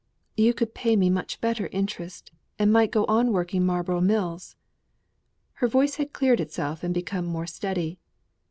you could pay me much better interest, and might go on working Marlborough Mills." Her voice had cleared itself and become more steady.